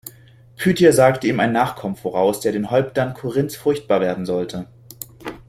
Pythia sagte ihm einen Nachkommen voraus, der den Häuptern Korinths furchtbar werden sollte.